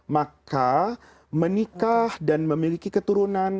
maka menikah dan memiliki keturunan